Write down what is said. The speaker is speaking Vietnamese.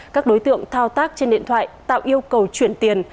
các đối tượng thao tác trên điện thoại tạo yêu cầu chuyển tiền